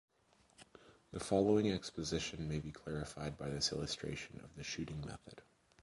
The following exposition may be clarified by this illustration of the shooting method.